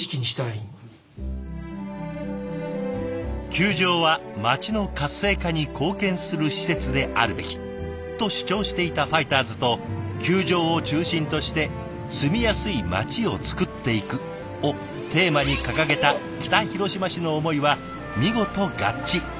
「球場は町の活性化に貢献する施設であるべき」と主張していたファイターズと「球場を中心として住みやすい町をつくっていく」をテーマに掲げた北広島市の思いは見事合致。